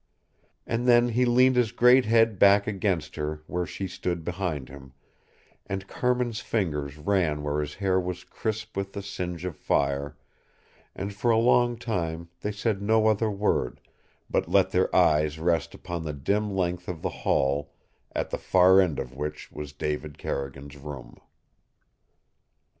And then he leaned his great head back against her where she stood behind him, and Carmin's fingers ran where his hair was crisp with the singe of fire, and for a long time they said no other word, but let their eyes rest upon the dim length of the hall at the far end of which was David Carrigan's room.